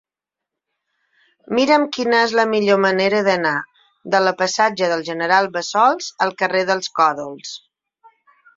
Mira'm quina és la millor manera d'anar de la passatge del General Bassols al carrer dels Còdols.